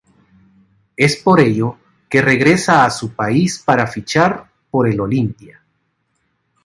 Es por ello que regresa a su país para fichar por el Olimpia.